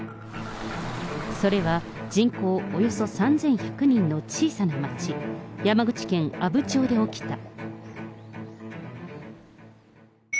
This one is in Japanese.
それは人口およそ３１００人の小さな町、山口県阿武町で起きた。